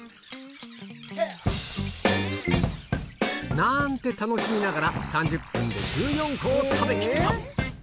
なーんて、楽しみながら３０分で１４個を食べ切った。